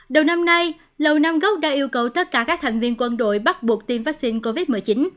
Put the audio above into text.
đầu năm nay lầu nam góc đã yêu cầu tất cả các thành viên quân đội bắt buộc tiêm vaccine covid một mươi chín